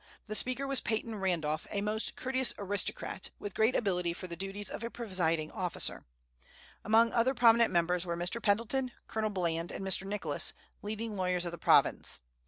The Speaker was Peyton Randolph, a most courteous aristocrat, with great ability for the duties of a presiding officer. Among other prominent members were Mr. Pendleton, Colonel Bland, and Mr. Nicholas, leading lawyers of the province.